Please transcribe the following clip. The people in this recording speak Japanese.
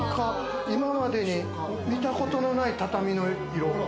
今までに見たことのない畳の色。